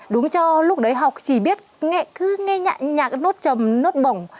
đúng cho lúc đấy học chỉ biết nghệ cứ nghe nhạc nốt trầm nốt bổng